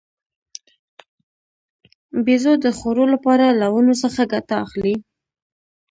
بیزو د خوړو لپاره له ونو څخه ګټه اخلي.